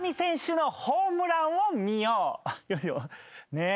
ねえ。